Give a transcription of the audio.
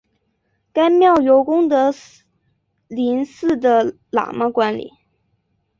该庙由功德林寺的喇嘛管理。